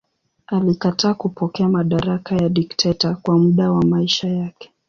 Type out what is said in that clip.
Alikataa kupokea madaraka ya dikteta kwa muda wa maisha yake.